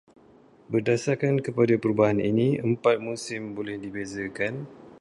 Berdasarkan kepada perubahan ini, empat musim boleh dibezakan.